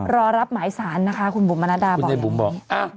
รอรับหมายสารนะคะคุณบุ๋มมานาดาบอกอย่างนี้